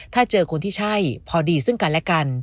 ถ้าเจอคนที่ใช่พอดีซึ่งกันและกัน